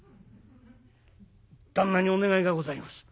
「旦那にお願いがございます」。